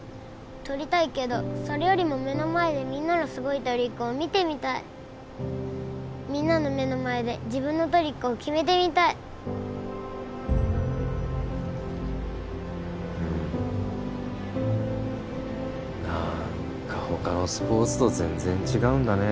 とりたいけどそれよりも目の前でみんなのすごいトリックを見てみたいみんなの目の前で自分のトリックを決めてみたいうん何か他のスポーツと全然違うんだね